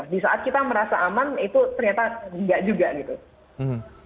di saat kita merasa aman itu ternyata enggak juga gitu